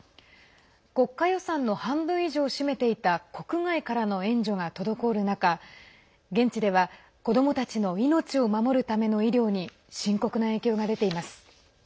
国家予算の半分以上を占めていた国外からの援助が滞る中現地では、子どもたちの命を守るための医療に深刻な影響が出ています。